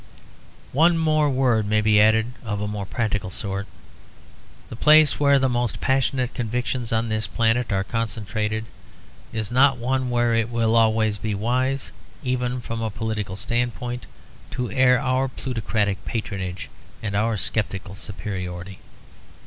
One more word may be added of a more practical sort. The place where the most passionate convictions on this planet are concentrated is not one where it will always be wise, even from a political standpoint, to air our plutocratic patronage and our sceptical superiority.